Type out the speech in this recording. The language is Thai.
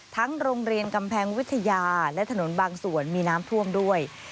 โรงเรียนกำแพงวิทยาและถนนบางส่วนมีน้ำท่วมด้วย